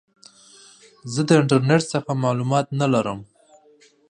زه د انټرنیټ څخه معلومات نه لرم.